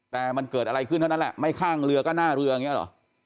แต่มันเกิดอะไรขึ้นเท่านั้นแหละไม่ข้างเรือก็หน้าเรืออย่างนี้หรอ